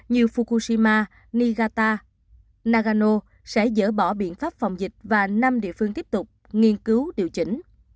như fukushima nigata nagano sẽ dỡ bỏ biện pháp phòng dịch và năm địa phương tiếp tục nghiên cứu điều chỉnh